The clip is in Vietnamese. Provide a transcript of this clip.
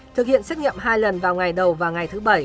thực hiện xét nghiệm hai lần vào ngày đầu và ngày thứ bảy